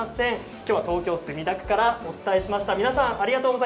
きょうは墨田区からお伝えしました。